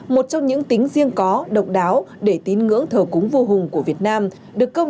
một trong những tính riêng có độc đáo để tín ngưỡng thờ cúng vô hùng của việt nam được công